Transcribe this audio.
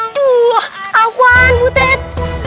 aduh akuan butet